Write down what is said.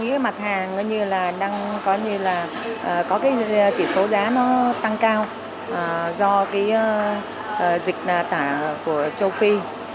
các mặt hàng như là đang có như là có cái chỉ số giá nó tăng cao do cái dịch tả của châu phi